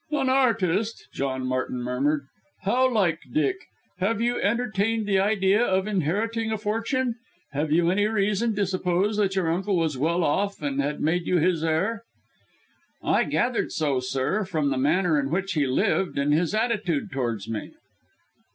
"An artist!" John Martin murmured, "how like Dick! Have you entertained the idea of inheriting a fortune? Have you any reason to suppose that your uncle was well off and had made you his heir!" "I gathered so, sir, from the manner in which he lived and his attitude towards me."